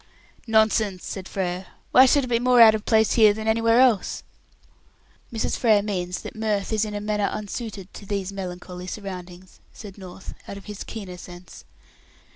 "Nonsense," said Frere. "Why should it be more out of place here than anywhere else?" "Mrs. Frere means that mirth is in a manner unsuited to these melancholy surroundings," said North, out of his keener sense.